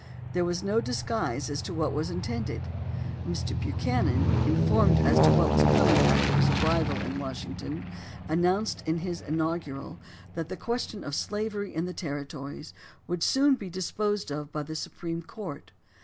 There was no disguise as to what was in tended. Mr. Buchanan, informed as to what was coming after his arrival in Washington, announced in his inaugural that the question of slavery in the ter ritories would soon be disposed of by the Supreme Court.